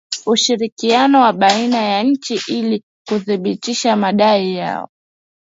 Ushirikiano wa baina ya nchi ili kuthibitisha madai hayo